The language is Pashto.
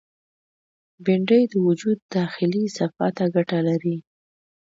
بېنډۍ د وجود داخلي صفا ته ګټه لري